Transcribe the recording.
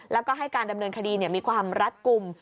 แล้วก็ให้การดำเนินคดีมีความรัดกลุ่ม